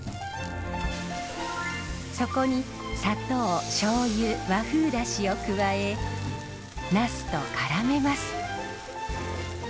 そこに砂糖しょうゆ和風だしを加えナスとからめます。